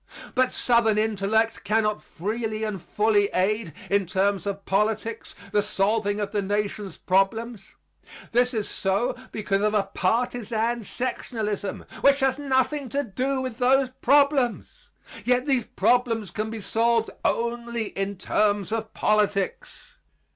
But southern intellect cannot freely and fully aid, in terms of politics, the solving of the Nation's problems. This is so because of a partisan sectionalism which has nothing to do with those problems. Yet these problems can be solved only in terms of politics.